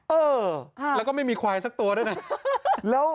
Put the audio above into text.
เออแล้วก็ไม่มีควายสักตัวด้วยนะ